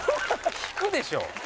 引くでしょ？